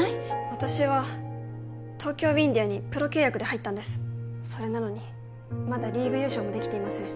私は東京ウィンディアにプロ契約で入ったんですそれなのにまだリーグ優勝もできていません